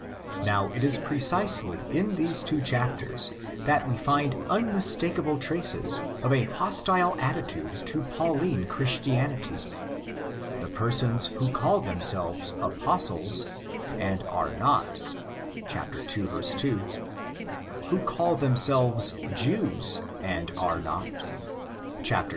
Now, it is precisely in these two chapters that we find unmistakeable traces of a hostile attitude to Pauline Christianity. The persons who call them selves Apostles and are not (ii. 2); who call themselves Jews and are not (ii.